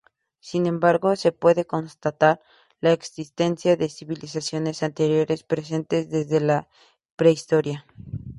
Sin embargo, se puede constatar la existencia de civilizaciones anteriores presentes desde la prehistoria.